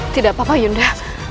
tidak apa apa yunda